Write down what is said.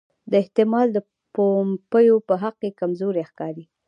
دا احتمال د پومپیو په حق کې کمزوری ښکاري.